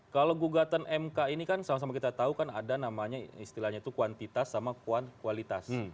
kalau gugatan mk ini kan sama sama kita tahu kan ada namanya istilahnya itu kuantitas sama kualitas